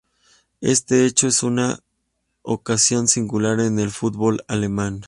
Este hecho es una ocasión singular en el fútbol alemán.